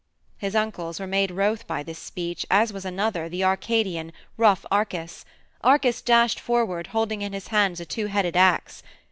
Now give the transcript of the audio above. His uncles were made wroth by this speech, as was another, the Arcadian, rough Arcas. Arcas dashed forward, holding in his hands a two headed axe.